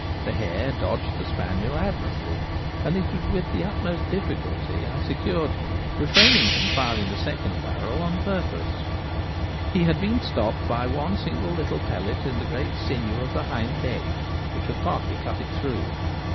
The hare dodged the spaniel admirably, and it was with the utmost difficulty I secured him (refraining from firing the second barrel on purpose). He had been stopped 104 The Gamekeeper at Home. by one single little pellet in the great sinew of the hind leg, which had partly cut it through.